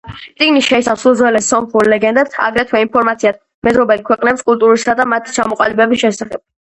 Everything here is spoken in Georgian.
წიგნი შეიცავს უძველეს სომხურ ლეგენდებს, აგრეთვე ინფორმაციას მეზობელი ქვეყნების კულტურისა და მათი ჩამოყალიბების შესახებ.